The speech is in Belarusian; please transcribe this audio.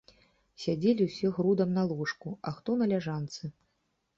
Сядзелі ўсе грудам на ложку, а хто на ляжанцы.